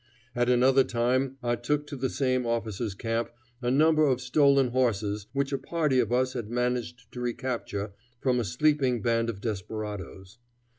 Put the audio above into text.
At another time I took to the same officer's camp a number of stolen horses which a party of us had managed to recapture from a sleeping band of desperadoes.